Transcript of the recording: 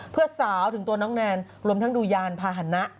เพื่อสาวถึงตัวน้องแนนรวมทั้งดูยานพาหนะ